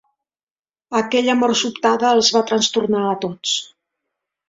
Aquella mort sobtada els va trastornar a tots.